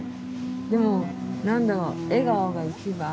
でも何だろう笑顔が一番。